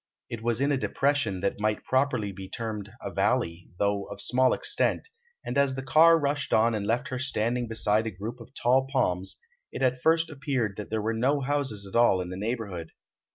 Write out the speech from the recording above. It was in a depression that might properly be termed a valley, though of small extent, and as the car rushed on and left her standing beside a group of tall palms it at first appeared there were no houses at all in the neighborhood.